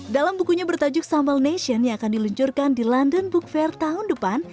dalam bukunya bertajuk sambal nation yang akan diluncurkan di london book fair tahun depan